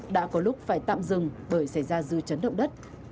đã có lúc phải tạm dừng bởi xảy ra dư chấn động đất